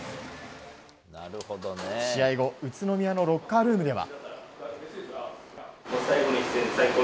試合後、宇都宮のロッカールームでは。